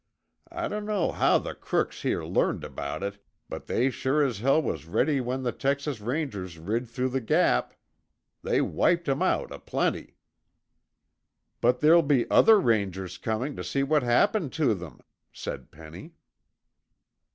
I dunno how the crooks here learned about it, but they sure as hell was ready when the Texas Rangers rid through the Gap. They wiped 'em out aplenty." "But there'll be other Rangers coming to see what happened to them," said Penny.